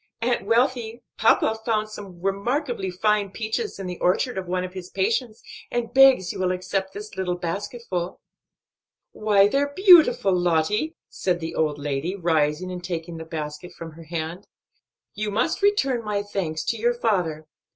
Aunt Wealthy, papa found some remarkably fine peaches in the orchard of one of his patients, and begs you will accept this little basketful." "Why, they're beautiful, Lottie!" said the old lady, rising and taking the basket from her hand. "You must return my best thanks to your father.